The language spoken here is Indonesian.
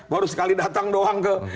baru sekali datang doang ke